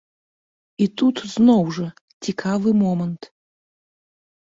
І тут, зноў жа, цікавы момант.